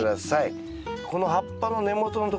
この葉っぱの根元のところ。